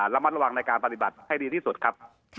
ระมัดระวังในการปฏิบัติให้ดีที่สุดครับ